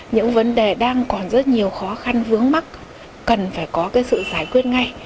những vấn đề đang còn rất nhiều khó khăn vướng mắt cần phải có cái sự giải quyết ngay